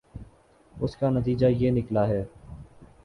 اس کا نتیجہ یہ نکلا ہے